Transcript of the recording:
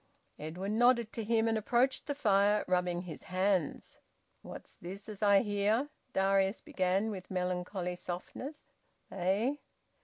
Edwin nodded to him and approached the fire, rubbing his hands. "What's this as I hear?" Darius began, with melancholy softness. "Eh?"